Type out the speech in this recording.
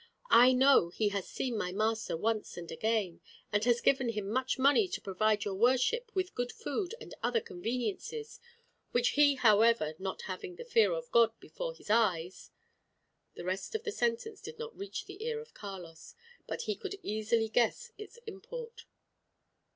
I know he has seen my master once and again, and has given him much money to provide your worship with good food and other conveniences, which he, however, not having the fear of God before his eyes " The rest of the sentence did not reach the ear of Carlos; but he could easily guess its import.